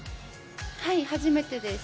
はい、初めてです。